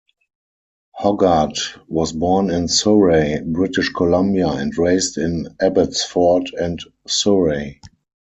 Hoggard was born in Surrey, British Columbia, and raised in Abbotsford and Surrey.